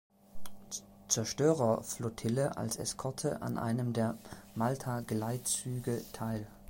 Zerstörerflottille, als Eskorte an einem der Malta-Geleitzüge teil.